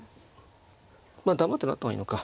まあ黙って成った方がいいのか。